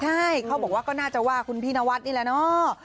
ใช่เขาบอกว่าก็น่าจะว่าคุณพี่นวัดนี่แหละเนาะ